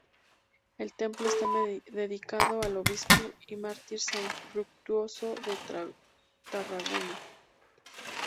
El templo está dedicado al obispo y mártir san Fructuoso de Tarragona.